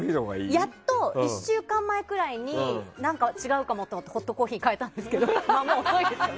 やっと１週間前くらいになんか違うかもと思ってホットコーヒーに変えたんですけどもう遅いですよね。